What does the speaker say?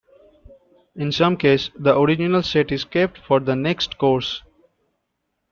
In some case, the original set is kept for the next course.